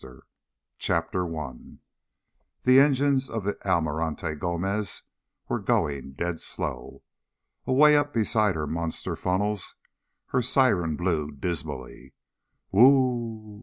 ] CHAPTER I The engines of the Almirante Gomez were going dead slow. Away up beside her monster funnels her siren blew dismally, _Whoo oo oo oo!